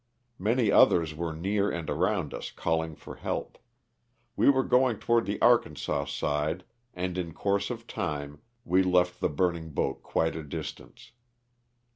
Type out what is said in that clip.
Many others were near and around us calling for help. We were going toward the Arkansas side and in course of time we left the burning boat quite a distance.